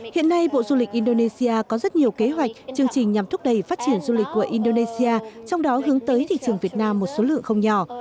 hiện nay bộ du lịch indonesia có rất nhiều kế hoạch chương trình nhằm thúc đẩy phát triển du lịch của indonesia trong đó hướng tới thị trường việt nam một số lượng không nhỏ